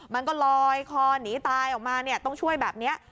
มันก็ลอยคอหนีตายออกมาต้องช่วยแบบนี้